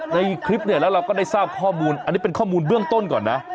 ในคลิปเนี่ยแล้วเราก็ได้ทราบข้อมูลอันนี้เป็นข้อมูลเบื้องต้นก่อนนะ